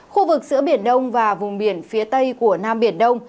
khu vực giữa biển đông và vùng biển phía tây của nam biển đông